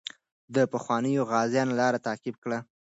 د پخوانیو غازیانو لار تعقیب کړئ.